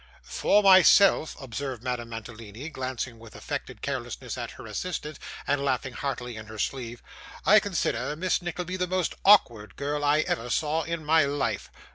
'For myself,' observed Madame Mantalini, glancing with affected carelessness at her assistant, and laughing heartily in her sleeve, 'I consider Miss Nickleby the most awkward girl I ever saw in my life.